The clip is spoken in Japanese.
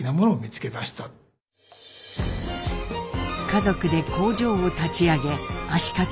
家族で工場を立ち上げ足かけ４年。